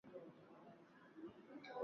Mwamba wangu wa kale.